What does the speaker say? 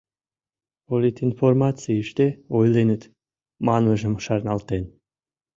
«Политинформацийыште ойленыт» манмыжым шарналтен.